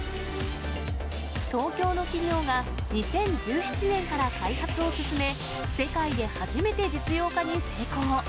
東京の企業が２０１７年から開発を進め、世界で初めて実用化に成功。